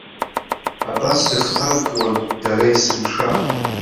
Абас дыхҭаркуан дара есымша.